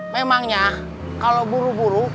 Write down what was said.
memangnya kalau buru buru